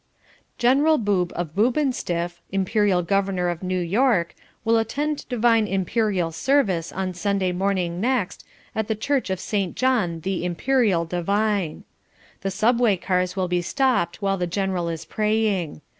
General Boob of Boobenstiff, Imperial Governor of New York, will attend divine (Imperial) service on Sunday morning next at the church of St. John the (Imperial) Divine. The subway cars will be stopped while the General is praying.